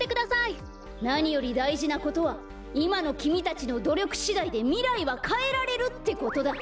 なによりだいじなことはいまのきみたちのどりょくしだいでみらいはかえられるってことだ。